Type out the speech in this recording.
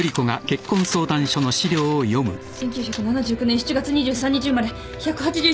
１９７９年７月２３日生まれ１８１ｃｍ６７ｋｇ。